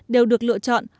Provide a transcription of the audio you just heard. đều được lựa chọn